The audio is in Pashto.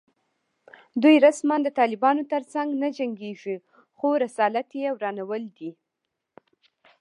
دوی رسماً د طالبانو تر څنګ نه جنګېږي خو رسالت یې ورانول دي